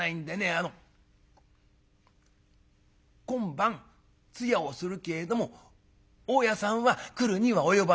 あの今晩通夜をするけれども大家さんは来るには及ばない」。